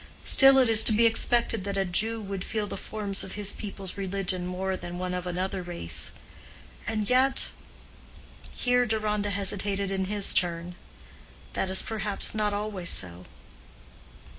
Still it is to be expected that a Jew would feel the forms of his people's religion more than one of another race—and yet"—here Deronda hesitated in his turn—"that is perhaps not always so."